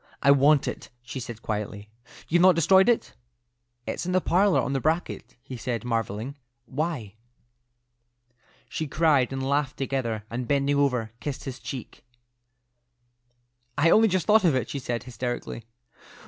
"I want it," she said, quietly. "You've not destroyed it?" "It's in the parlour, on the bracket," he replied, marvelling. "Why?" She cried and laughed together, and bending over, kissed his cheek. "I only just thought of it," she said, hysterically.